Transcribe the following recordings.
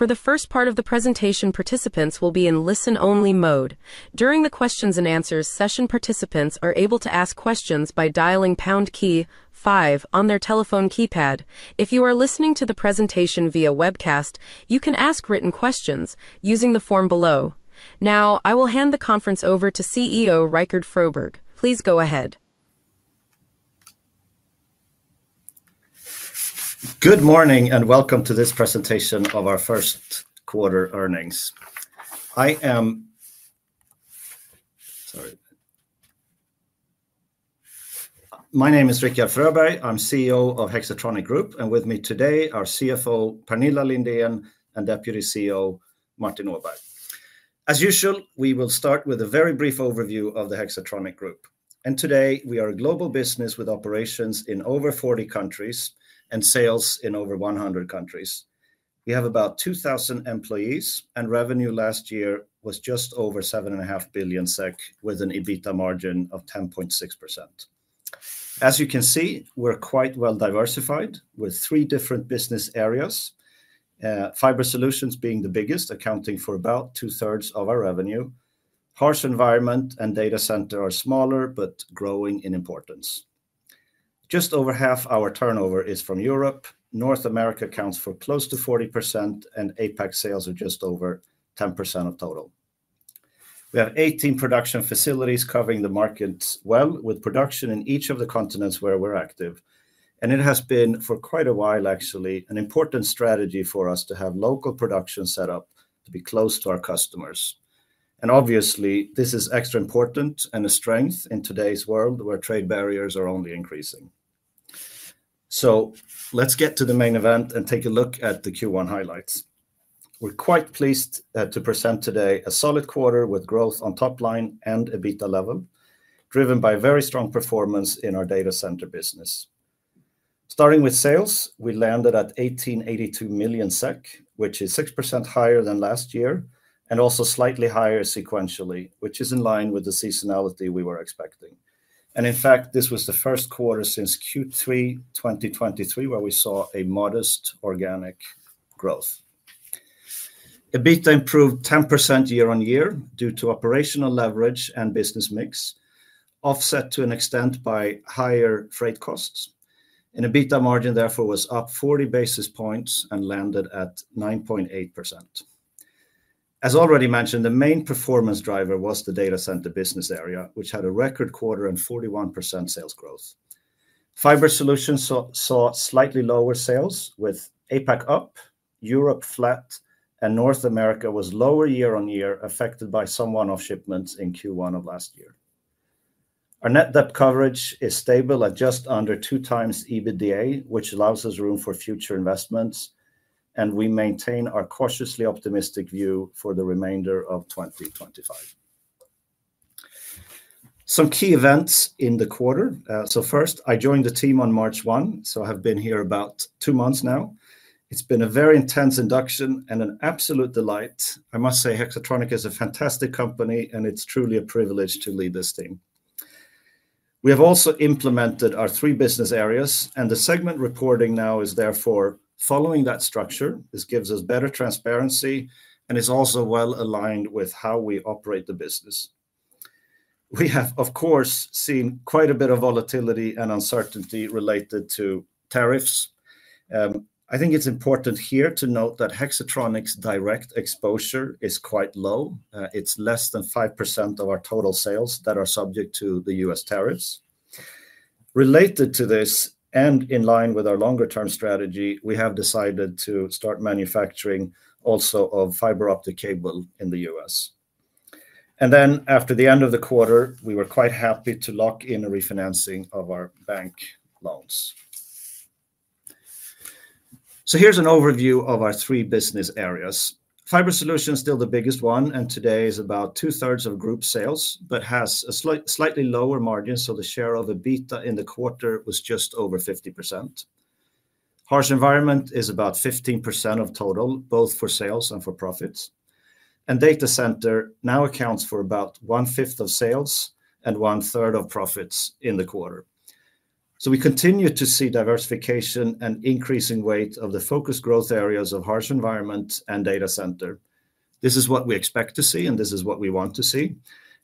For the first part of the presentation, participants will be in listen-only mode. During the questions and answers session, participants are able to ask questions by dialing pound key five on their telephone keypad. If you are listening to the presentation via webcast, you can ask written questions using the form below. Now, I will hand the conference over to CEO Rikard Fröberg. Please go ahead. Good morning and welcome to this presentation of our first quarter earnings. I am sorry. My name is Rikard Fröberg. I'm CEO of Hexatronic Group, and with me today are CFO Pernilla Lindén and Deputy CEO Martin Åberg. As usual, we will start with a very brief overview of the Hexatronic Group. Today, we are a global business with operations in over 40 countries and sales in over 100 countries. We have about 2,000 employees, and revenue last year was just over 7.5 billion SEK, with an EBITDA margin of 10.6%. As you can see, we're quite well diversified, with three different business areas, fiber solutions being the biggest, accounting for about two-thirds of our revenue. Harsh environment and data center are smaller but growing in importance. Just over half our turnover is from Europe. North America accounts for close to 40%, and APAC sales are just over 10% of total. We have 18 production facilities covering the markets well, with production in each of the continents where we're active. It has been, for quite a while actually, an important strategy for us to have local production set up to be close to our customers. Obviously, this is extra important and a strength in today's world, where trade barriers are only increasing. Let's get to the main event and take a look at the Q1 highlights. We're quite pleased to present today a solid quarter with growth on top line and EBITDA level, driven by very strong performance in our data center business. Starting with sales, we landed at 1,882 million SEK, which is 6% higher than last year, and also slightly higher sequentially, which is in line with the seasonality we were expecting. In fact, this was the first quarter since Q3 2023, where we saw a modest organic growth. EBITDA improved 10% year-on-year due to operational leverage and business mix, offset to an extent by higher freight costs. EBITDA margin, therefore, was up 40 basis points and landed at 9.8%. As already mentioned, the main performance driver was the data center business area, which had a record quarter and 41% sales growth. Fiber solutions saw slightly lower sales, with APAC up, Europe flat, and North America was lower year-on-year, affected by some one-off shipments in Q1 of last year. Our net debt coverage is stable at just under two times EBITDA, which allows us room for future investments, and we maintain our cautiously optimistic view for the remainder of 2025. Some key events in the quarter. First, I joined the team on March 1, so I have been here about two months now. It's been a very intense induction and an absolute delight. I must say, Hexatronic is a fantastic company, and it's truly a privilege to lead this team. We have also implemented our three business areas, and the segment reporting now is therefore following that structure. This gives us better transparency and is also well aligned with how we operate the business. We have, of course, seen quite a bit of volatility and uncertainty related to tariffs. I think it's important here to note that Hexatronic's direct exposure is quite low. It's less than 5% of our total sales that are subject to the U.S. tariffs. Related to this, and in line with our longer-term strategy, we have decided to start manufacturing also of fiber optic cable in the U.S. After the end of the quarter, we were quite happy to lock in a refinancing of our bank loans. Here is an overview of our three business areas. Fiber solutions is still the biggest one, and today is about two-thirds of group sales, but has a slightly lower margin, so the share of EBITDA in the quarter was just over 50%. Harsh environment is about 15% of total, both for sales and for profits. Data center now accounts for about one-fifth of sales and one-third of profits in the quarter. We continue to see diversification and increasing weight of the focus growth areas of harsh environment and data center. This is what we expect to see, and this is what we want to see.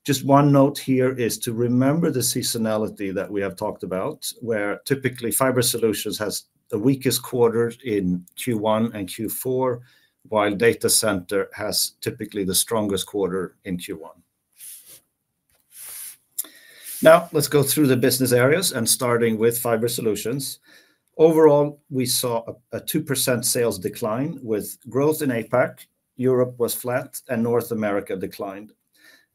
Just one note here is to remember the seasonality that we have talked about, where typically fiber solutions has the weakest quarter in Q1 and Q4, while data center has typically the strongest quarter in Q1. Now, let's go through the business areas, and starting with fiber solutions. Overall, we saw a 2% sales decline with growth in APAC. Europe was flat, and North America declined.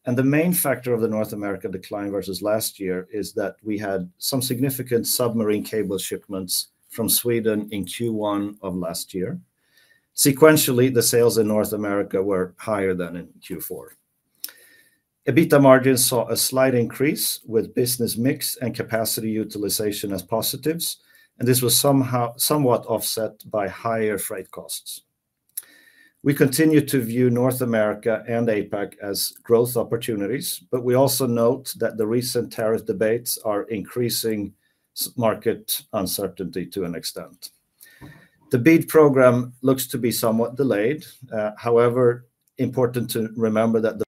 The main factor of the North America decline versus last year is that we had some significant submarine cable shipments from Sweden in Q1 of last year. Sequentially, the sales in North America were higher than in Q4. EBITDA margins saw a slight increase with business mix and capacity utilization as positives, and this was somewhat offset by higher freight costs. We continue to view North America and APAC as growth opportunities, but we also note that the recent tariff debates are increasing market uncertainty to an extent. The BEAD program looks to be somewhat delayed. However, important to remember that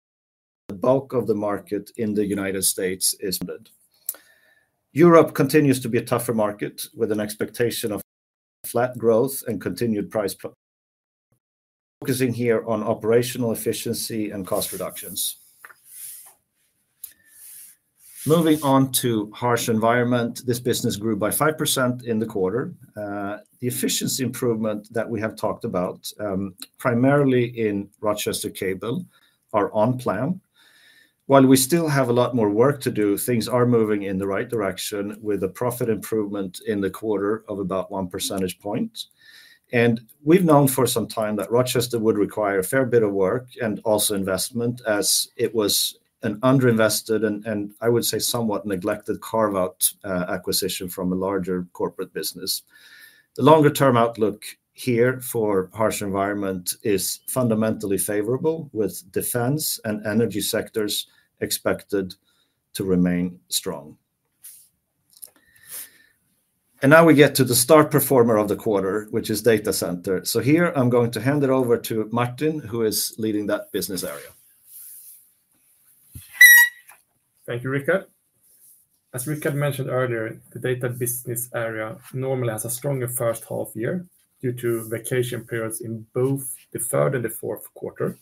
the bulk of the market in the U.S. is funded. Europe continues to be a tougher market with an expectation of flat growth and continued price pressure, focusing here on operational efficiency and cost reductions. Moving on to harsh environment, this business grew by 5% in the quarter. The efficiency improvement that we have talked about, primarily in Rochester Cable, is on plan. While we still have a lot more work to do, things are moving in the right direction with a profit improvement in the quarter of about one percentage point. We have known for some time that Rochester would require a fair bit of work and also investment, as it was an underinvested and, I would say, somewhat neglected carve-out acquisition from a larger corporate business. The longer-term outlook here for harsh environment is fundamentally favorable, with defense and energy sectors expected to remain strong. Now we get to the star performer of the quarter, which is data center. Here, I am going to hand it over to Martin, who is leading that business area. Thank you, Rikard. As Rikard mentioned earlier, the data business area normally has a stronger first half year due to vacation periods in both the third and the fourth quarter.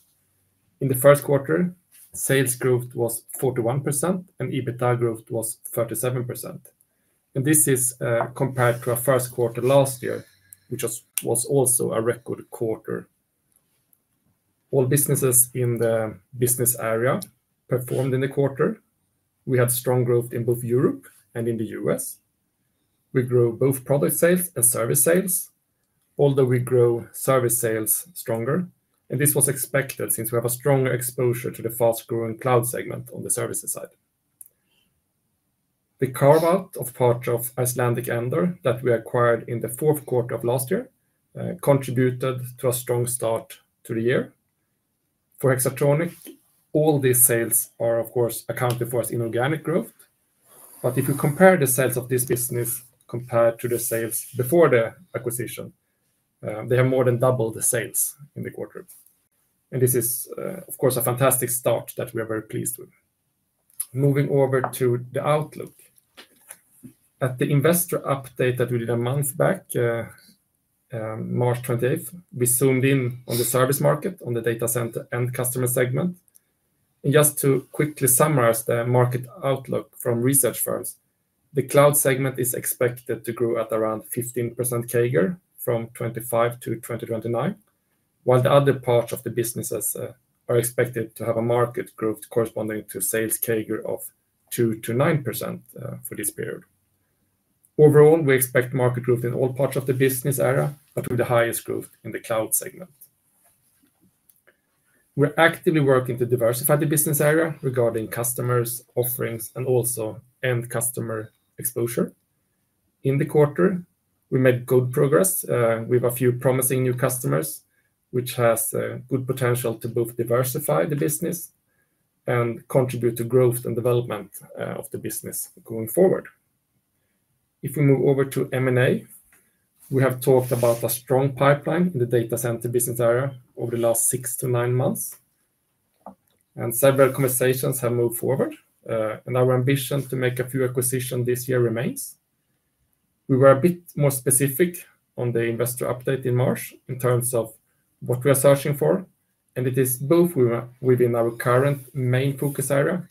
In the first quarter, sales growth was 41%, and EBITDA growth was 37%. This is compared to our first quarter last year, which was also a record quarter. All businesses in the business area performed in the quarter. We had strong growth in both Europe and in the U.S. We grew both product sales and service sales, although we grew service sales stronger. This was expected since we have a stronger exposure to the fast-growing cloud segment on the services side. The carve-out of parts of Icelandic Endor that we acquired in the fourth quarter of last year contributed to a strong start to the year. For Hexatronic, all these sales are, of course, accounting for inorganic growth. If you compare the sales of this business compared to the sales before the acquisition, they have more than doubled the sales in the quarter. This is, of course, a fantastic start that we are very pleased with. Moving over to the outlook. At the investor update that we did a month back, March 28, we zoomed in on the service market, on the data center and customer segment. Just to quickly summarize the market outlook from research firms, the cloud segment is expected to grow at around 15% CAGR from 2025 to 2029, while the other parts of the businesses are expected to have a market growth corresponding to sales CAGR of 2%-9% for this period. Overall, we expect market growth in all parts of the business area, but with the highest growth in the cloud segment. We're actively working to diversify the business area regarding customers, offerings, and also end customer exposure. In the quarter, we made good progress. We have a few promising new customers, which has good potential to both diversify the business and contribute to growth and development of the business going forward. If we move over to M&A, we have talked about a strong pipeline in the data center business area over the last six to nine months, and several conversations have moved forward. Our ambition to make a few acquisitions this year remains. We were a bit more specific on the investor update in March in terms of what we are searching for. It is both within our current main focus area,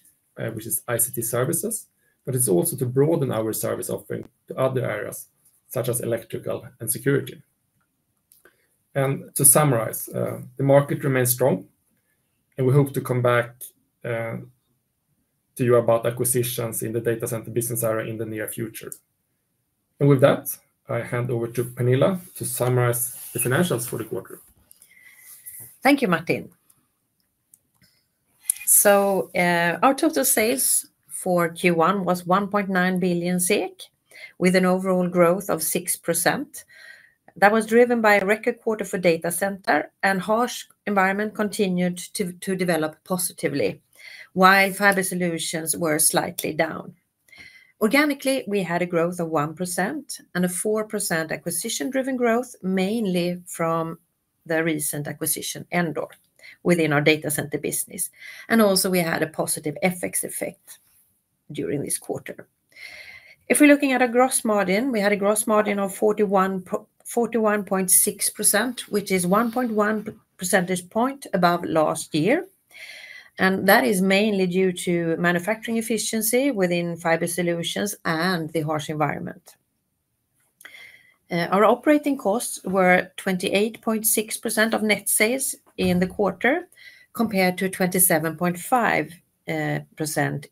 which is ICT services, but it is also to broaden our service offering to other areas, such as electrical and security. To summarize, the market remains strong, and we hope to come back to you about acquisitions in the data center business area in the near future. With that, I hand over to Pernilla to summarize the financials for the quarter. Thank you, Martin. Our total sales for Q1 was 1.9 billion, with an overall growth of 6%. That was driven by a record quarter for data center, and harsh environment continued to develop positively, while fiber solutions were slightly down. Organically, we had a growth of 1% and a 4% acquisition-driven growth, mainly from the recent acquisition, Endor, within our data center business. We also had a positive FX effect during this quarter. If we are looking at our gross margin, we had a gross margin of 41.6%, which is 1.1 percentage points above last year. That is mainly due to manufacturing efficiency within fiber solutions and the harsh environment. Our operating costs were 28.6% of net sales in the quarter, compared to 27.5%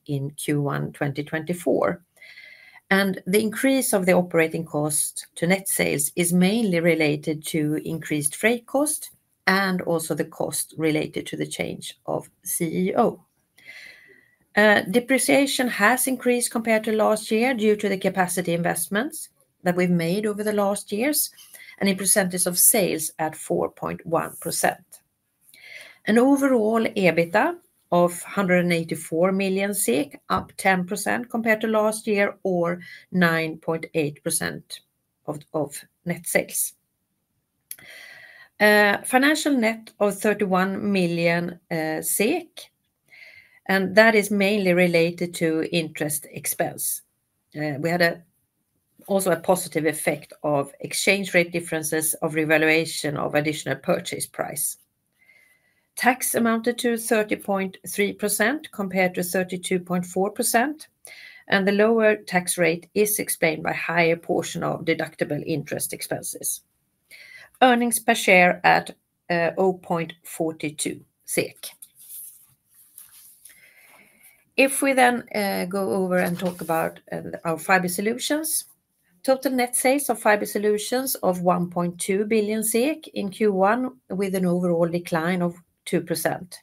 in Q1 2024. The increase of the operating cost to net sales is mainly related to increased freight cost and also the cost related to the change of CEO. Depreciation has increased compared to last year due to the capacity investments that we've made over the last years, and in percentage of sales at 4.1%. Overall, EBITDA of 184 million SEK, up 10% compared to last year, or 9.8% of net sales. Financial net of 31 million SEK, and that is mainly related to interest expense. We had also a positive effect of exchange rate differences of revaluation of additional purchase price. Tax amounted to 30.3% compared to 32.4%, and the lower tax rate is explained by a higher portion of deductible interest expenses. Earnings per share at 0.42 SEK. If we then go over and talk about our fiber solutions, total net sales of fiber solutions of 1.2 billion in Q1, with an overall decline of 2%.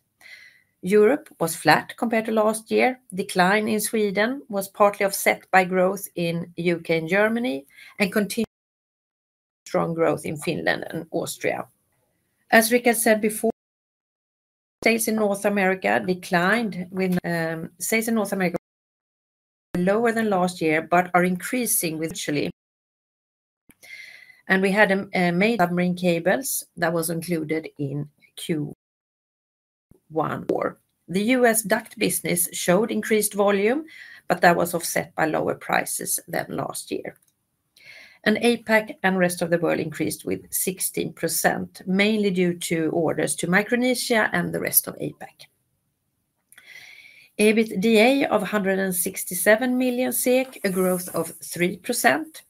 Europe was flat compared to last year. Decline in Sweden was partly offset by growth in the U.K. and Germany, and continued strong growth in Finland and Austria. As Rikard said before, sales in North America declined, with sales in North America lower than last year, but are increasing sequentially. We had a main submarine cable that was included in Q1. The U.S. duct business showed increased volume, but that was offset by lower prices than last year. APAC and rest of the world increased with 16%, mainly due to orders to Micronesia and the rest of APAC. EBITDA of 167 million SEK, a growth of 3%.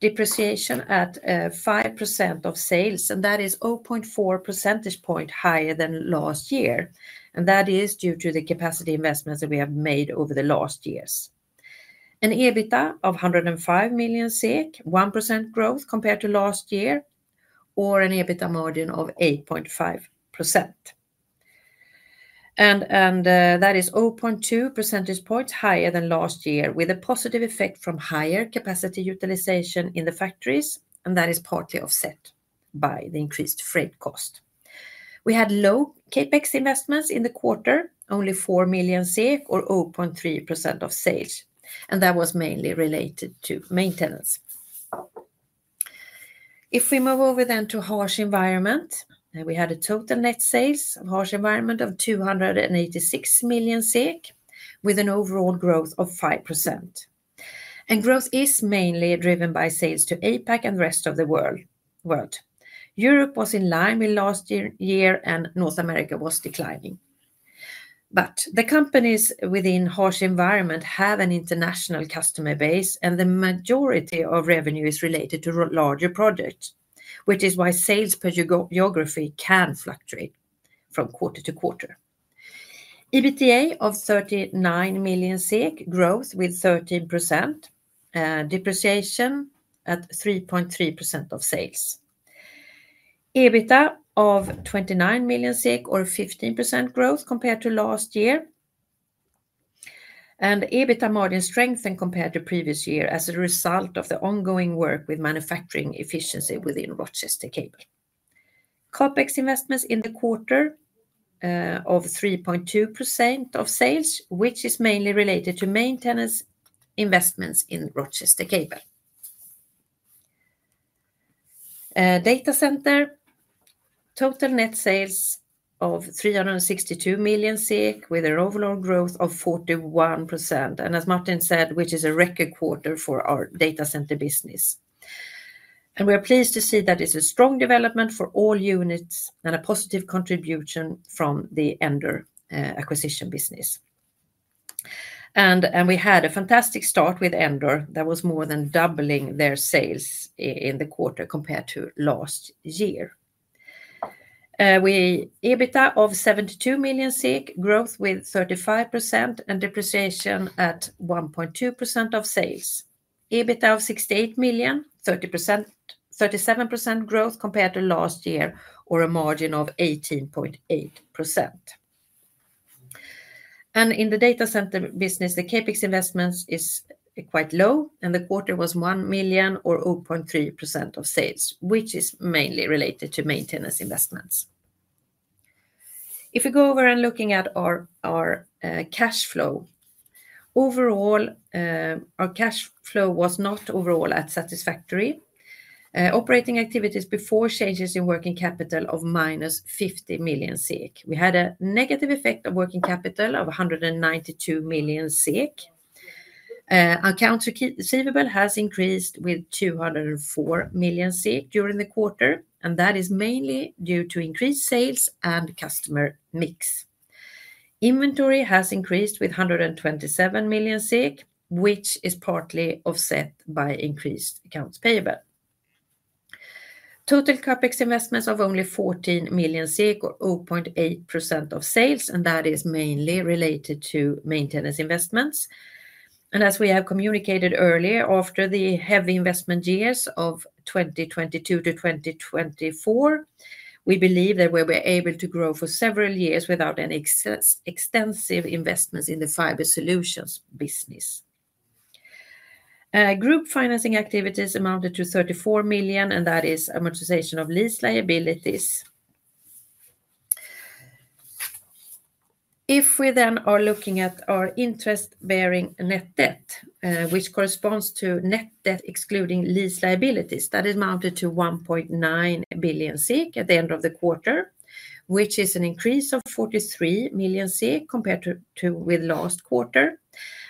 Depreciation at 5% of sales, and that is 0.4 percentage points higher than last year. That is due to the capacity investments that we have made over the last years. An EBITDA of 105 million SEK, 1% growth compared to last year, or an EBITDA margin of 8.5%. That is 0.2 percentage points higher than last year, with a positive effect from higher capacity utilization in the factories, and that is partly offset by the increased freight cost. We had low CapEx investments in the quarter, only 4 million, or 0.3% of sales, and that was mainly related to maintenance. If we move over then to harsh environment, we had a total net sales of harsh environment of 286 million SEK, with an overall growth of 5%. Growth is mainly driven by sales to APAC and the rest of the world. Europe was in line with last year, and North America was declining. The companies within harsh environment have an international customer base, and the majority of revenue is related to larger projects, which is why sales per geography can fluctuate from quarter to quarter. EBITDA of 39 million, growth with 13%, depreciation at 3.3% of sales. EBITDA of 29 million, or 15% growth compared to last year. EBITDA margin strengthened compared to previous year as a result of the ongoing work with manufacturing efficiency within Rochester Cable. CapEx investments in the quarter of 3.2% of sales, which is mainly related to maintenance investments in Rochester Cable. Data center, total net sales of 362 million SEK, with an overall growth of 41%. As Martin said, which is a record quarter for our data center business. We are pleased to see that it's a strong development for all units and a positive contribution from the Endor acquisition business. We had a fantastic start with Endor that was more than doubling their sales in the quarter compared to last year. EBITDA of 72 million, growth with 35%, and depreciation at 1.2% of sales. EBITDA of 68 million, 37% growth compared to last year, or a margin of 18.8%. In the data center business, the CapEx investments is quite low, and the quarter was 1 million or 0.3% of sales, which is mainly related to maintenance investments. If we go over and look at our cash flow, overall, our cash flow was not overall satisfactory. Operating activities before changes in working capital of minus 50 million. We had a negative effect of working capital of 192 million. Accounts receivable has increased with 204 million during the quarter, and that is mainly due to increased sales and customer mix. Inventory has increased with 127 million, which is partly offset by increased accounts payable. Total CapEx investments of only 14 million SEK, or 0.8% of sales, and that is mainly related to maintenance investments. As we have communicated earlier, after the heavy investment years of 2022 to 2024, we believe that we'll be able to grow for several years without any extensive investments in the fiber solutions business. Group financing activities amounted to 34 million, and that is amortization of lease liabilities. If we then are looking at our interest-bearing net debt, which corresponds to net debt excluding lease liabilities, that is mounted to 1.9 billion SEK at the end of the quarter, which is an increase of 43 million SEK compared to last quarter.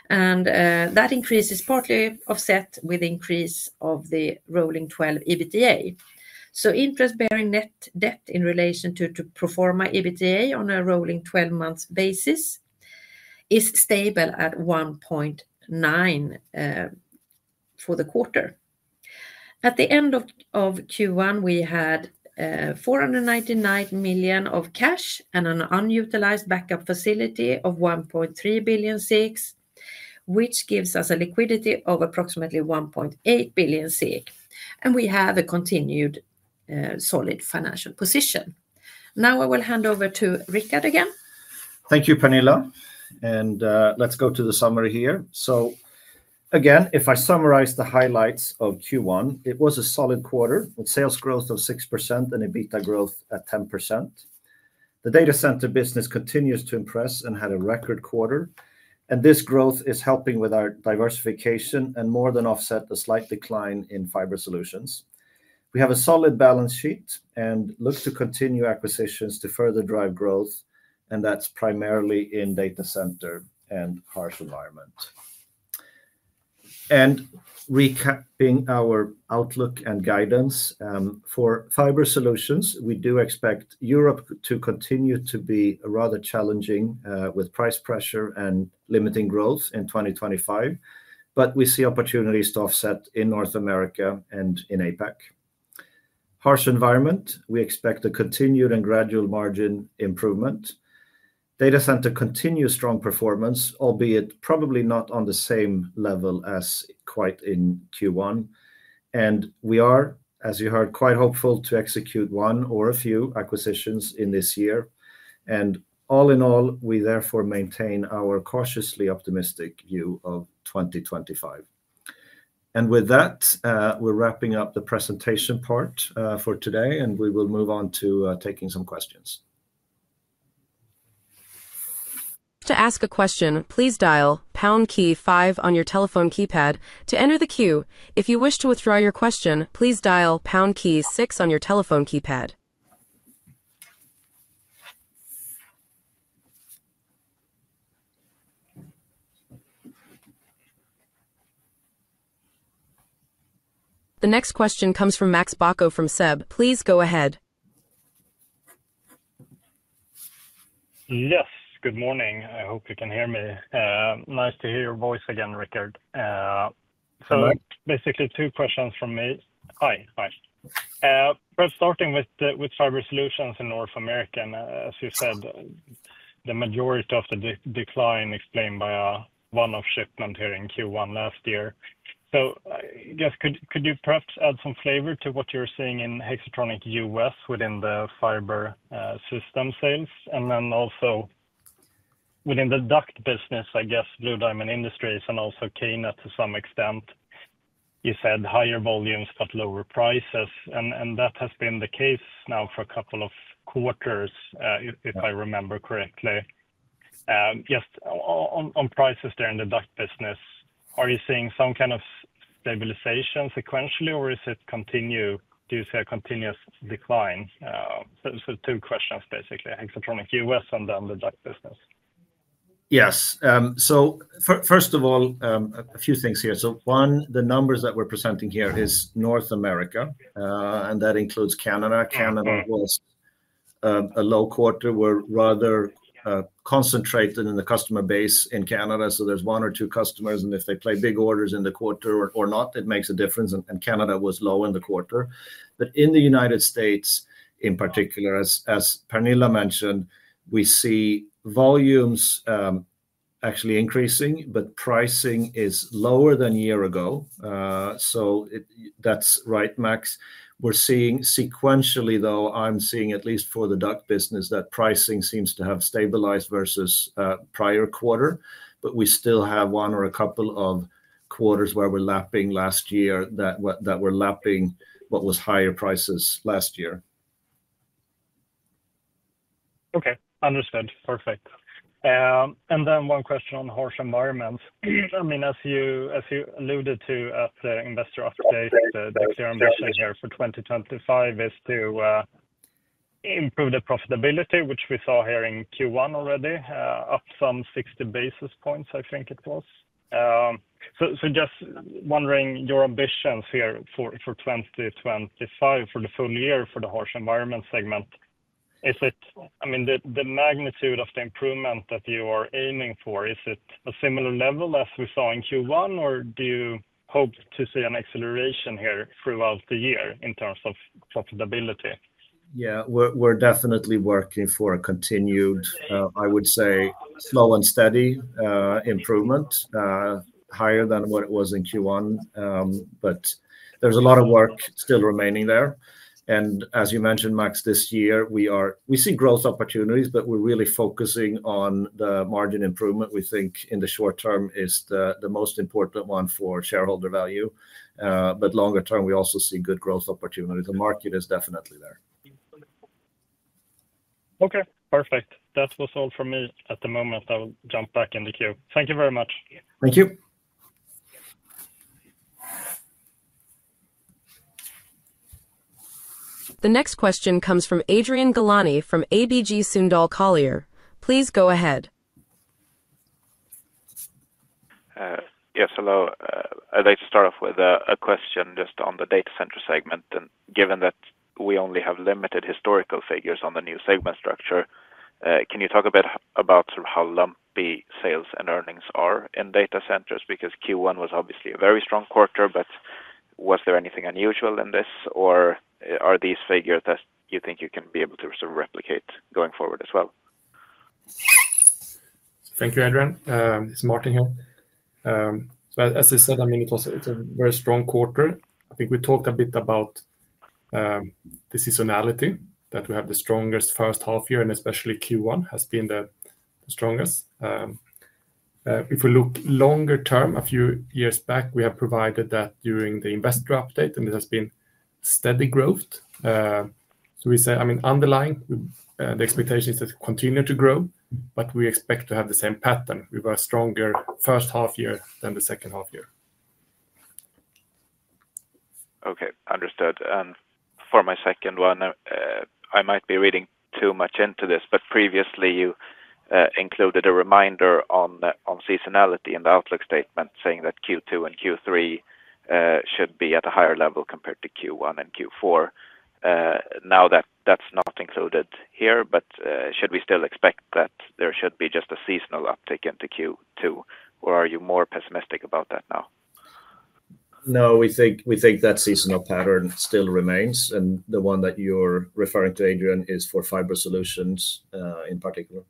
That increase is partly offset with the increase of the rolling 12 EBITDA. Interest-bearing net debt in relation to proforma EBITDA on a rolling 12-month basis is stable at 1.9 for the quarter. At the end of Q1, we had 499 million of cash and an unutilized backup facility of 1.3 billion, which gives us a liquidity of approximately 1.8 billion. We have a continued solid financial position. I will hand over to Rikard again. Thank you, Pernilla. Let's go to the summary here. If I summarize the highlights of Q1, it was a solid quarter with sales growth of 6% and EBITDA growth at 10%. The data center business continues to impress and had a record quarter. This growth is helping with our diversification and more than offsets the slight decline in fiber solutions. We have a solid balance sheet and look to continue acquisitions to further drive growth, and that is primarily in data center and harsh environment. Recapping our outlook and guidance for fiber solutions, we do expect Europe to continue to be rather challenging with price pressure and limiting growth in 2025, but we see opportunities to offset in North America and in APAC. Harsh environment, we expect a continued and gradual margin improvement. Data center continues strong performance, albeit probably not on the same level as quite in Q1. We are, as you heard, quite hopeful to execute one or a few acquisitions in this year. All in all, we therefore maintain our cautiously optimistic view of 2025. With that, we're wrapping up the presentation part for today, and we will move on to taking some questions. To ask a question, please dial pound key five on your telephone keypad to enter the queue. If you wish to withdraw your question, please dial pound key six on your telephone keypad. The next question comes from Max Bacco from SEB. Please go ahead. Yes, good morning. I hope you can hear me. Nice to hear your voice again, Rikard. Basically two questions from me. Hi, hi. First, starting with fiber solutions in North America, as you said, the majority of the decline explained by a one-off shipment here in Q1 last year. I guess, could you perhaps add some flavor to what you're seeing in Hexatronic U.S. within the fiber system sales? Also within the duct business, I guess, Blue Diamond Industries and also KNET to some extent. You said higher volumes, but lower prices. That has been the case now for a couple of quarters, if I remember correctly. Just on prices there in the duct business, are you seeing some kind of stabilization sequentially, or does it continue? Do you see a continuous decline? Two questions basically, Hexatronic U.S. and then the duct business. Yes. First of all, a few things here. One, the numbers that we're presenting here is North America, and that includes Canada. Canada was a low quarter. We're rather concentrated in the customer base in Canada. There is one or two customers, and if they place big orders in the quarter or not, it makes a difference. Canada was low in the quarter. In the United States, in particular, as Pernilla mentioned, we see volumes actually increasing, but pricing is lower than a year ago. That's right, Max. We're seeing sequentially, at least for the duct business, that pricing seems to have stabilized versus the prior quarter. We still have one or a couple of quarters where we're lapping last year, lapping what was higher prices last year. Okay. Understood. Perfect. One question on harsh environment. I mean, as you alluded to at the investor update, the clear ambition here for 2025 is to improve the profitability, which we saw here in Q1 already, up some 60 basis points, I think it was. Just wondering, your ambitions here for 2025, for the full year, for the harsh environment segment, is it, I mean, the magnitude of the improvement that you are aiming for, is it a similar level as we saw in Q1, or do you hope to see an acceleration here throughout the year in terms of profitability? Yeah, we're definitely working for a continued, I would say, slow and steady improvement, higher than what it was in Q1. There is a lot of work still remaining there. As you mentioned, Max, this year, we see growth opportunities, but we're really focusing on the margin improvement, which we think in the short term is the most important one for shareholder value. Longer term, we also see good growth opportunities. The market is definitely there. Okay. Perfect. That was all for me at the moment. I will jump back in the queue. Thank you very much. Thank you. The next question comes from Adrian Gilani from ABG Sundal Collier. Please go ahead. Yes, hello. I'd like to start off with a question just on the data center segment. Given that we only have limited historical figures on the new segment structure, can you talk a bit about sort of how lumpy sales and earnings are in data centers? Q1 was obviously a very strong quarter, but was there anything unusual in this, or are these figures that you think you can be able to sort of replicate going forward as well? Thank you, Adrian. This is Martin here. As I said, I mean, it's a very strong quarter. I think we talked a bit about the seasonality that we have the strongest first half year, and especially Q1 has been the strongest. If we look longer term, a few years back, we have provided that during the investor update, and it has been steady growth. We say, I mean, underlying, the expectation is to continue to grow, but we expect to have the same pattern with a stronger first half year than the second half year. Okay. Understood. For my second one, I might be reading too much into this, but previously you included a reminder on seasonality in the outlook statement saying that Q2 and Q3 should be at a higher level compared to Q1 and Q4. Now that's not included here, but should we still expect that there should be just a seasonal uptick into Q2, or are you more pessimistic about that now? No, we think that seasonal pattern still remains. The one that you're referring to, Adrian, is for fiber solutions in particular.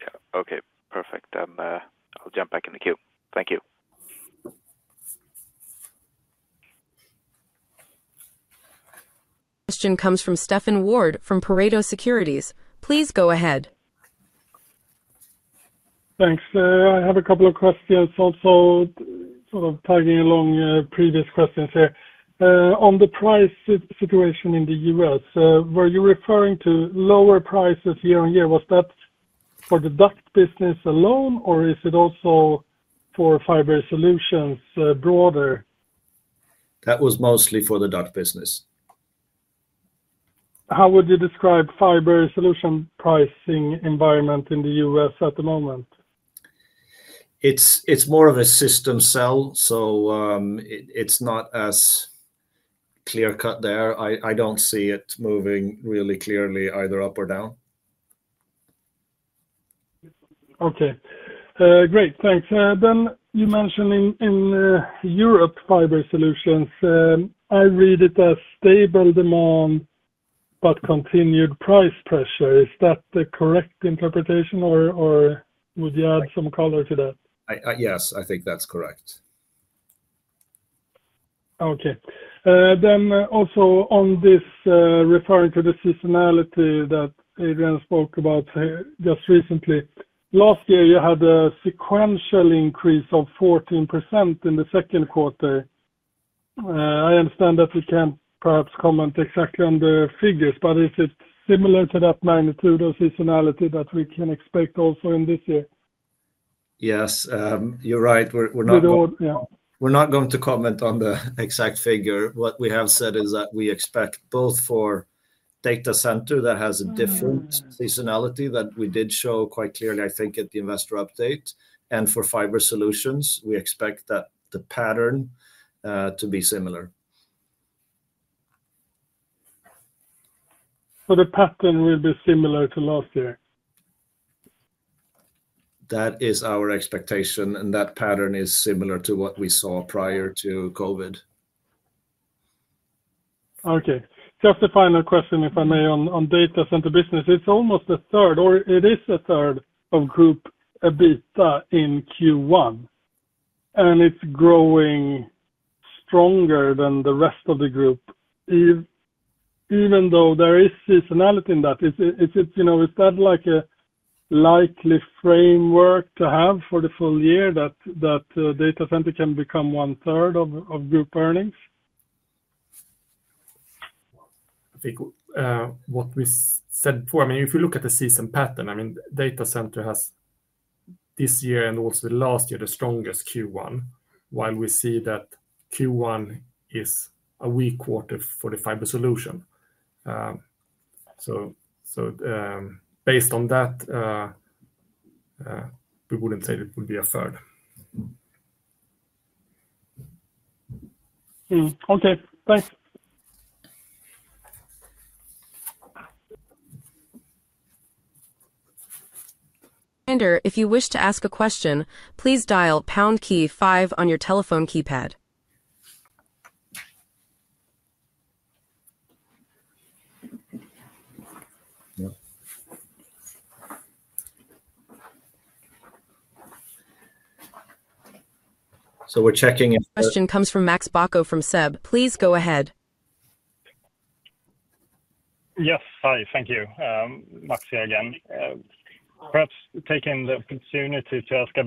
Yeah. Okay. Perfect. I'll jump back in the queue. Thank you. Question comes from Stefan Wård from Pareto Securities. Please go ahead. Thanks. I have a couple of questions also sort of tagging along previous questions here. On the price situation in the U.S., were you referring to lower prices year on year? Was that for the duct business alone, or is it also for fiber solutions broader? That was mostly for the duct business. How would you describe fiber solution pricing environment in the U.S. at the moment? It's more of a system sell, so it's not as clear-cut there. I don't see it moving really clearly either up or down. Okay. Great. Thanks. You mentioned in Europe fiber solutions, I read it as stable demand, but continued price pressure. Is that the correct interpretation, or would you add some color to that? Yes, I think that's correct. Okay. Then also on this, referring to the seasonality that Adrian spoke about just recently, last year you had a sequential increase of 14% in the second quarter. I understand that we can't perhaps comment exactly on the figures, but is it similar to that magnitude of seasonality that we can expect also in this year? Yes, you're right. We're not going to comment on the exact figure. What we have said is that we expect both for data center that has a different seasonality that we did show quite clearly, I think, at the investor update. For fiber solutions, we expect that the pattern to be similar. The pattern will be similar to last year? That is our expectation, and that pattern is similar to what we saw prior to COVID. Okay. Just a final question, if I may, on data center business. It's almost a third, or it is a third of Group EBITDA in Q1, and it's growing stronger than the rest of the group. Even though there is seasonality in that, is that like a likely framework to have for the full year that data center can become one-third of group earnings? I think what we said before, I mean, if you look at the season pattern, I mean, data center has this year and also last year the strongest Q1, while we see that Q1 is a weak quarter for the fiber solution. Based on that, we wouldn't say it would be a third. Okay. Thanks. If you wish to ask a question, please dial pound key five on your telephone keypad. We're checking. Question comes from Max Bacco from SEB. Please go ahead. Yes. Hi. Thank you, Max here again. Perhaps taking the opportunity to ask a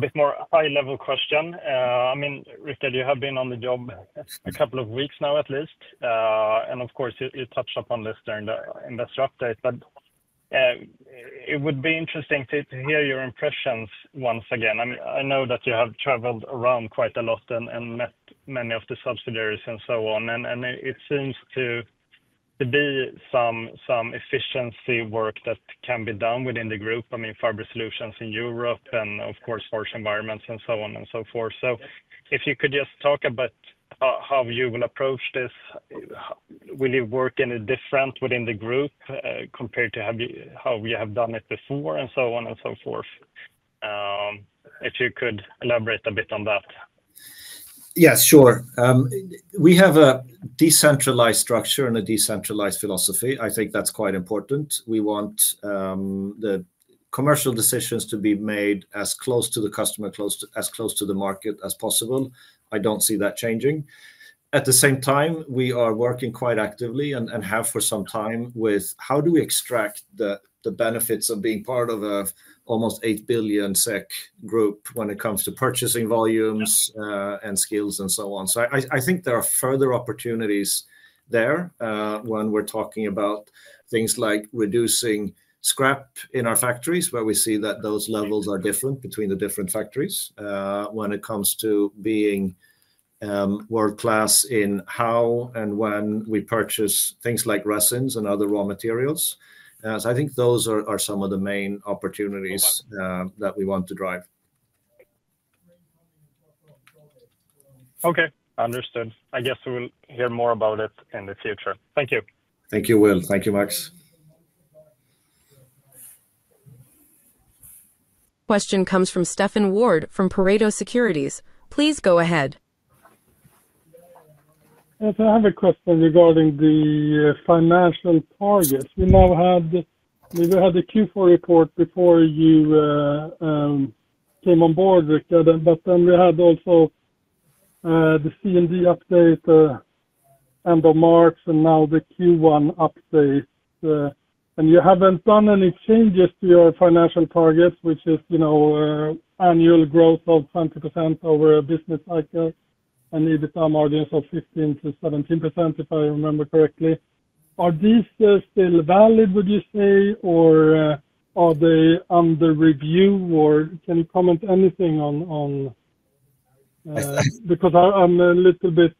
bit more high-level question. I mean, Rikard, you have been on the job a couple of weeks now at least. Of course, you touched upon this during the investor update. It would be interesting to hear your impressions once again. I mean, I know that you have traveled around quite a lot and met many of the subsidiaries and so on. It seems to be some efficiency work that can be done within the group, I mean, fiber solutions in Europe and, of course, harsh environments and so on and so forth. If you could just talk about how you will approach this, will you work any different within the group compared to how you have done it before and so on and so forth? If you could elaborate a bit on that. Yes, sure. We have a decentralized structure and a decentralized philosophy. I think that's quite important. We want the commercial decisions to be made as close to the customer, as close to the market as possible. I don't see that changing. At the same time, we are working quite actively and have for some time with how do we extract the benefits of being part of an almost 8 billion SEK group when it comes to purchasing volumes and skills and so on. I think there are further opportunities there when we're talking about things like reducing scrap in our factories, where we see that those levels are different between the different factories when it comes to being world-class in how and when we purchase things like resins and other raw materials. I think those are some of the main opportunities that we want to drive. Okay. Understood. I guess we will hear more about it in the future. Thank you. Thank you, Will. Thank you, Max. Question comes from Stefan Wård from Pareto Securities. Please go ahead. I have a question regarding the financial targets. We've had the Q4 report before you came on board, Rikard, but then we had also the CMD update end of March, and now the Q1 update. You haven't done any changes to your financial targets, which is annual growth of 20% over a business cycle and EBITDA margins of 15%-17%, if I remember correctly. Are these still valid, would you say, or are they under review, or can you comment anything on? Because I'm a little bit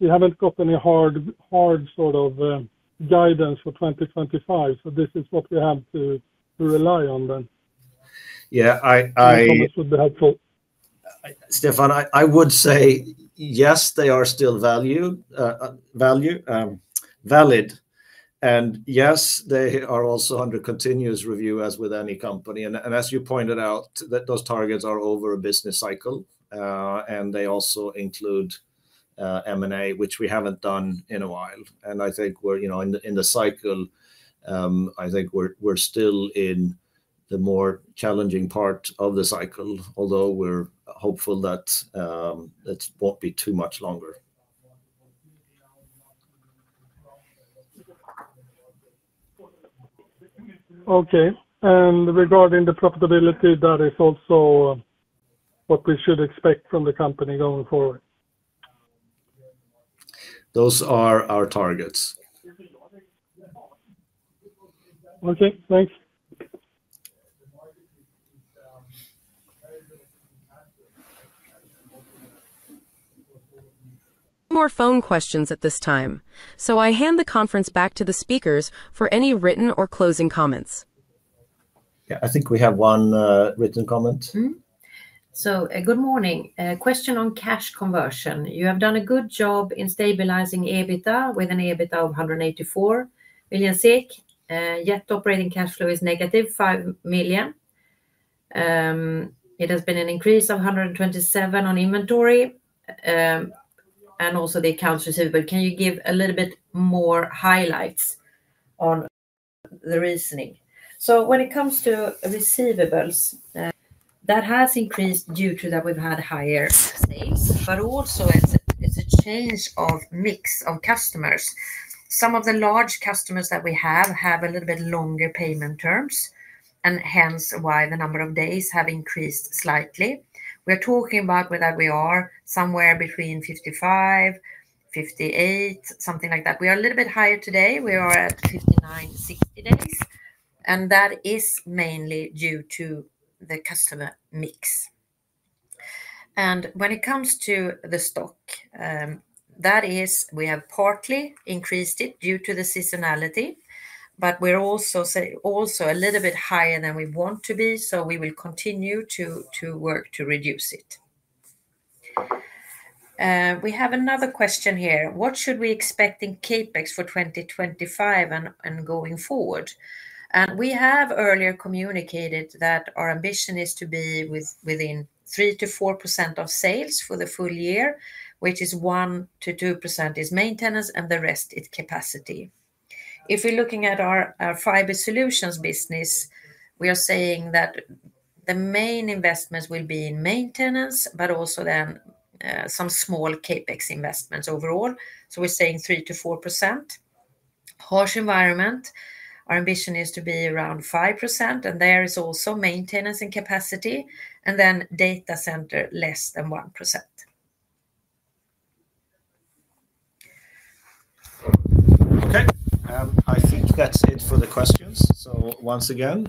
we haven't got any hard sort of guidance for 2025, so this is what we have to rely on then. Yeah. I. Your comments would be helpful. Stefan, I would say, yes, they are still valid, and yes, they are also under continuous review as with any company. As you pointed out, those targets are over a business cycle, and they also include M&A, which we haven't done in a while. I think we're in the cycle. I think we're still in the more challenging part of the cycle, although we're hopeful that it won't be too much longer. Okay. Regarding the profitability, that is also what we should expect from the company going forward. Those are our targets. Okay. Thanks. No more phone questions at this time. I hand the conference back to the speakers for any written or closing comments. Yeah, I think we have one written comment. Good morning. Question on cash conversion. You have done a good job in stabilizing EBITDA with an EBITDA of 184 million. Yet operating cash flow is negative 5 million. It has been an increase of 127 million on inventory and also the accounts receivable. Can you give a little bit more highlights on the reasoning? When it comes to receivables, that has increased due to that we've had higher sales, but also it's a change of mix of customers. Some of the large customers that we have have a little bit longer payment terms, and hence why the number of days have increased slightly. We are talking about that we are somewhere between 55-58, something like that. We are a little bit higher today. We are at 59-60 days, and that is mainly due to the customer mix. When it comes to the stock, that is we have partly increased it due to the seasonality, but we're also a little bit higher than we want to be, so we will continue to work to reduce it. We have another question here. What should we expect in CapEx for 2025 and going forward? We have earlier communicated that our ambition is to be within 3%-4% of sales for the full year, which is 1%-2% is maintenance, and the rest is capacity. If we're looking at our fiber solutions business, we are saying that the main investments will be in maintenance, but also then some small CapEx investments overall. We are saying 3%-4%. Harsh environment, our ambition is to be around 5%, and there is also maintenance and capacity, and then data center less than 1%. Okay. I think that's it for the questions. Once again,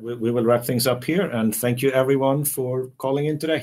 we will wrap things up here, and thank you everyone for calling in today.